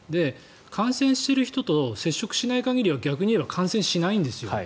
感染している人と接触しない限りは逆に言えば感染しないんですよ。